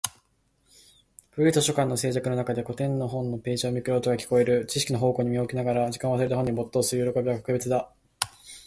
古い図書館の静寂の中で、古典の本のページをめくる音が聞こえる。知識の宝庫に身を置きながら、時間を忘れて本に没頭する喜びは格別だ。